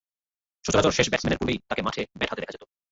সচরাচর শেষ ব্যাটসম্যানের পূর্বেই তাকে মাঠে ব্যাট হাতে দেখা যেতো।